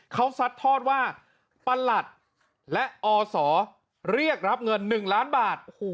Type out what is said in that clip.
เขาซัดทอดว่าประหลัดและอศเรียกรับเงิน๑ล้านบาท